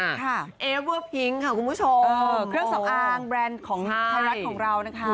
ค่ะเอเวอร์พิงค่ะคุณผู้ชมเออเครื่องสอบอ้างแบรนด์ของของเรานะคะ